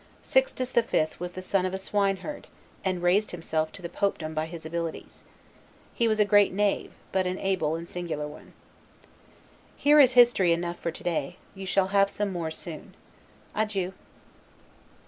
Sixtus the Fifth was the son of a swineherd, and raised himself to the popedom by his abilities: he was a great knave, but an able and singular one. Here is history enough for to day: you shall have some more soon. Adieu.